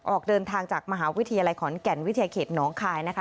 ออกเดินทางจากมหาวิทยาลัยขอนแก่นวิทยาเขตน้องคายนะคะ